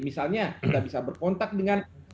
misalnya kita bisa berkontak dengan